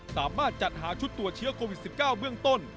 สามารถจัดหาชุดตรวจเชื้อโควิด๑๙เบื้องต้น